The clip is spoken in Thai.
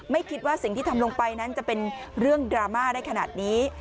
ไม่คิดว่าสิ่งที่ทำลงไปนั้นจะเป็นเรื่องดราม่าได้ขนาดนี้